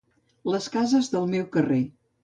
Les cases del meu carrer.